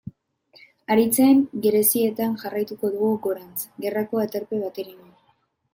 Haritzen gerizetan jarraituko dugu gorantz, gerrako aterpe bateraino.